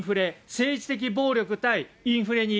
政治的暴力対インフレと。